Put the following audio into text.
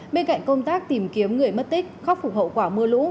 bên cạnh công tác tìm kiếm người mất tích khắc phục hậu quả mưa lũ